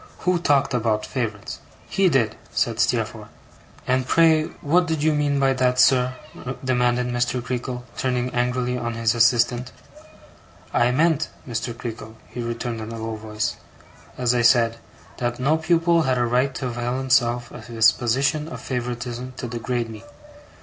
'Who talked about favourites?' 'He did,' said Steerforth. 'And pray, what did you mean by that, sir?' demanded Mr. Creakle, turning angrily on his assistant. 'I meant, Mr. Creakle,' he returned in a low voice, 'as I said; that no pupil had a right to avail himself of his position of favouritism to degrade me.